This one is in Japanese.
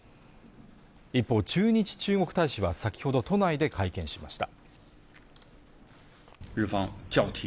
一方駐日中国大使は先ほど都内で会見しました。